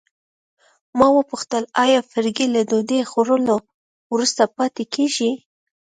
ما وپوښتل آیا فرګي له ډوډۍ خوړلو وروسته پاتې کیږي.